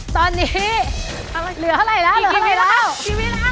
ตอนนี้เหลือเท่าไหร่แล้วแล้ว